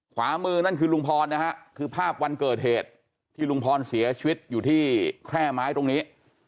ขวามือนั่นคือลุงพรนะฮะคือภาพวันเกิดเหตุที่ลุงพรเสียชีวิตอยู่ที่แคร่ไม้ตรงนี้